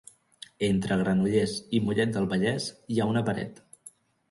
Entre Granollers i Mollet del Vallès hi ha una paret.